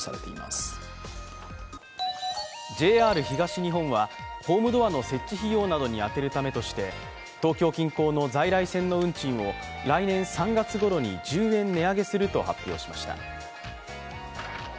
ＪＲ東日本はホームドアの設置費用に充てるためとして東京近郊の在来線の運賃を来年３月ごろに１０円値上げすると発表しました。